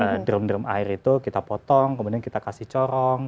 nah drum drum air itu kita potong kemudian kita kasih corong